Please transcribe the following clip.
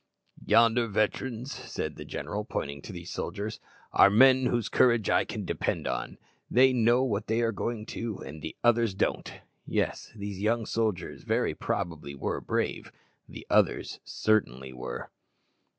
"Yonder veterans," said the general, pointing to these soldiers, "are men whose courage I can depend on; they know what they are going to, the others don't!" Yes, these young soldiers very probably were brave; the others certainly were.